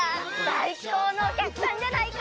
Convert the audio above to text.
さいこうのおきゃくさんじゃないか！